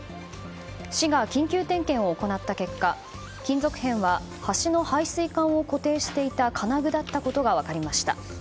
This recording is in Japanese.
市が緊急点検を行った結果金属片は橋の配水管を固定していた金具だったことが分かりました。